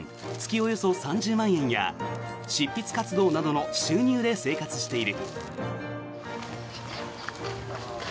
およそ３０万円や執筆活動などの収入で生活している。